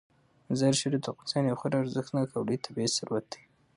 مزارشریف د افغانستان یو خورا ارزښتناک او لوی طبعي ثروت دی.